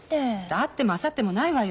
だってもあさってもないわよ。